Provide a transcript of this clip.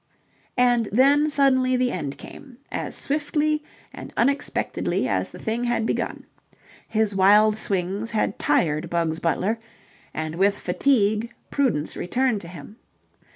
And then suddenly the end came, as swiftly and unexpectedly as the thing had begun. His wild swings had tired Bugs Butler, and with fatigue prudence returned to him.